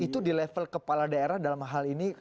itu di level kepala daerah dalam hal ini